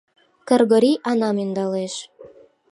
Кыргорий Анам ӧндалеш.